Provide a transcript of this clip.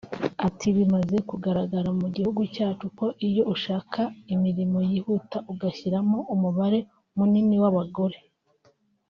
Ati “Bimaze kugaragara mu gihugu cyacu ko iyo ushaka imirimo yihuta ugashyiramo umubare munini w’abagore